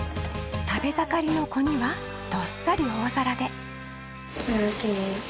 食べ盛りの子にはどっさり大皿で。